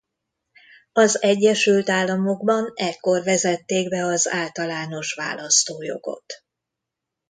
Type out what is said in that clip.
Az Egyesült Államokban ekkor vezették be az általános választójogot.